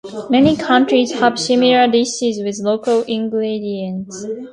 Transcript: Many countries have similar dishes with local ingredients.